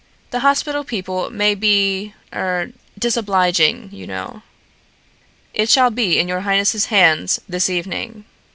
The hospital people may be er disobliging, you know." "It shall be in your highness's hands this evening."